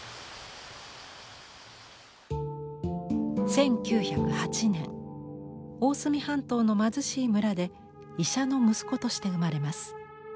１９０８年大隅半島の貧しい村で医者の息子として生まれます。